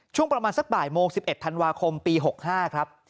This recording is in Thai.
ช่วงประมาณสักบ่ายโมง๑๑ธันวาคมปี๖๕ครับ